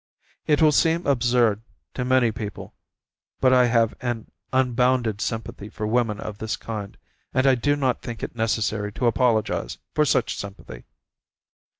It will seem absurd to many people, but I have an unbounded sympathy for women of this kind, and I do not think it necessary to apologize for such sympathy.